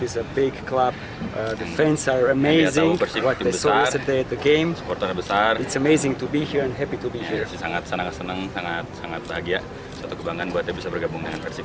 sangat senang dan bahagia untuk kebanggaan buat dia bisa bergabung dengan persib